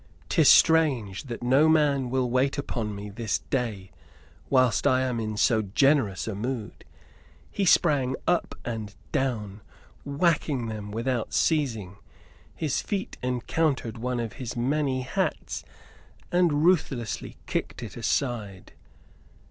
'Tis strange that no man will wait upon me this day, whilst I am in so generous a mood!" He sprang up and down, whacking them without ceasing. His feet encountered one of his many hats and ruthlessly kicked it aside.